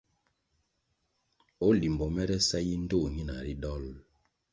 O Limbo mere sa yi ndtoh nyina ri dolʼ?